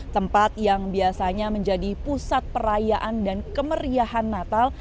tempat yang biasanya menjadi pusat perayaan dan kemeriahan natal